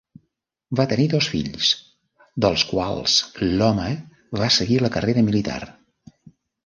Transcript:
Va tenir dos fills, dels quals l'home va seguir la carrera militar.